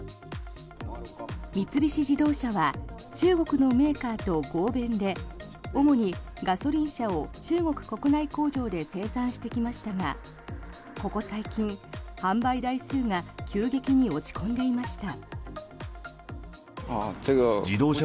三菱自動車は中国のメーカーと合弁で主にガソリン車を中国国内工場で生産してきましたがここ最近、販売台数が急激に落ち込んでいました。